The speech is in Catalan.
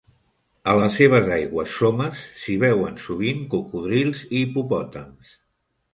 A les seves aigües somes s'hi veuen sovint cocodrils i hipopòtams.